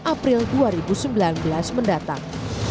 april dua ribu sembilan belas mendatang